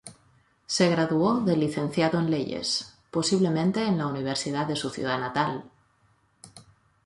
Se graduó de Licenciado en Leyes, posiblemente en la Universidad de su ciudad natal.